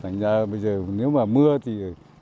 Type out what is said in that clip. nếu mà mưa thì